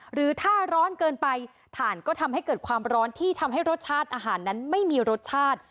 หรือถ้าร้อนเกินไปถ่านก็ทำให้เกิดความร้อนที่ทำให้รสชาติอาหารนั้นไม่มีรสชาติ